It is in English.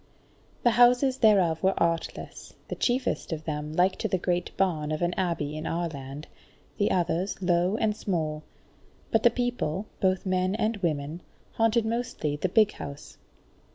The houses thereof were artless, the chiefest of them like to the great barn of an abbey in our land, the others low and small; but the people, both men and women, haunted mostly the big house.